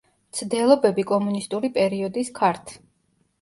მცდელობები კომუნისტური პერიოდის ქართ.